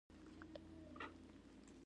د سبو کرنه مناسب اقلیم ته اړتیا لري.